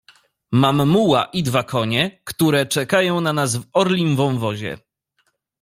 "Mam muła i dwa konie, które czekają na nas w Orlim Wąwozie."